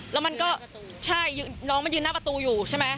แล้วมันก็ใช่น้องมันยืนหน้าประตูอยู่ใช่ไหม